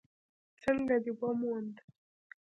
_څنګه دې وموند؟